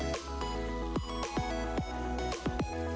bahan dan juga cara membuatnya